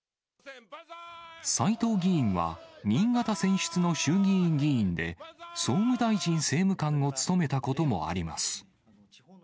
斎藤議員は、新潟選出の衆議院議員で、総務大臣政務官を務めたこともあります。